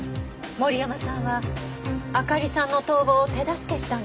森山さんはあかりさんの逃亡を手助けしたんですね？